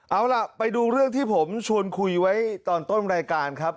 เอาล่ะไปดูเรื่องที่ผมชวนคุยไว้ตอนต้นรายการครับ